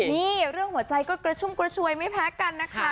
นี่เรื่องหัวใจก็กระชุ่มกระชวยไม่แพ้กันนะคะ